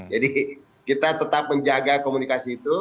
jadi kita tetap menjaga komunikasi itu